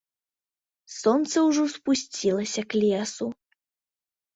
Сонца ўжо спусцілася к лесу.